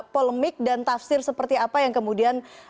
polemik dan tafsir seperti apa yang kemudian